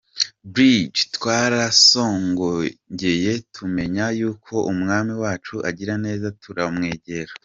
Bridge: Twarasogongeye tumenya yuko Umwami wacu agira neza turamwegera.